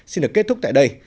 xin được kết thúc tại đây